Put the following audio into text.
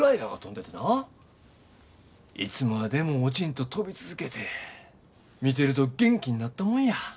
いつまでも落ちんと飛び続けて見てると元気になったもんや。